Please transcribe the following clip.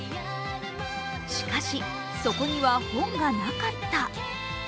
しかし、そこには本がなかった。